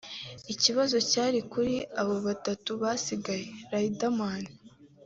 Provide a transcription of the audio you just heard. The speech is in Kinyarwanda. Ikibazo cyari kuri abo batatu basigaye Riderman